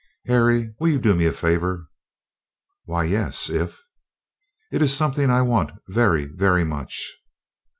"Harry, will you do me a favor?" "Why, yes if " "It is something I want very, very much."